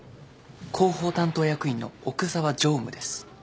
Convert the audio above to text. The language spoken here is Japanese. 広報担当役員の奥沢常務です。